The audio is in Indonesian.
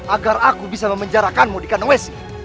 agar aku bisa memenjarakanmu di kanoes